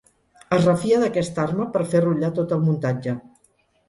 Es refia d'aquesta arma per fer rutllar tot el muntatge.